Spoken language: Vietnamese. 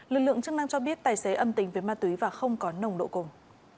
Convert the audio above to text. lực lượng chức năng cho biết tài xế âm tính với ma túy và không có nồng độ cồn